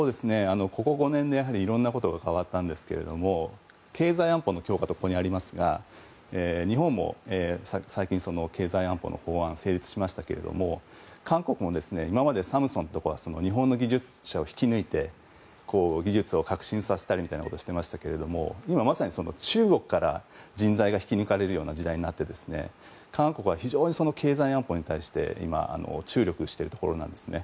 ここ５年でいろんなことが変わったんですが経済安保の強化とここにありますが日本も最近、経済安保の法案を成立しましたが韓国も、今までサムスンとかが日本の技術者を引き抜いて技術を革新させたりしていましたが今まさに中国から人材が引き抜かれるような時代になっていて韓国は非常に経済安保に対して注力しているところなんです。